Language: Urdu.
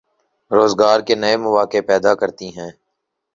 روزگار کے نئے مواقع پیدا کرتی ہے۔